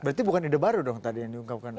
berarti bukan ide baru dong tadi yang diungkapkan